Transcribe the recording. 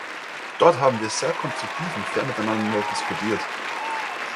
Dort haben wir sehr konstruktiv und fair miteinander diskutiert.